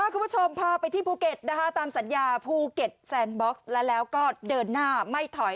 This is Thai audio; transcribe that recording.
คุณผู้ชมพาไปที่ภูเก็ตนะคะตามสัญญาภูเก็ตแซนบ็อกซ์แล้วก็เดินหน้าไม่ถอย